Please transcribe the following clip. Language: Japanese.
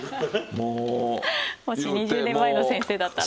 もし２０年前の先生だったら。